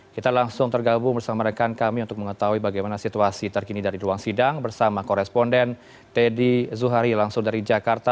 kita langsung tergabung bersama rekan kami untuk mengetahui bagaimana situasi terkini dari ruang sidang bersama koresponden teddy zuhari langsung dari jakarta